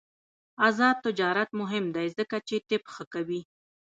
آزاد تجارت مهم دی ځکه چې طب ښه کوي.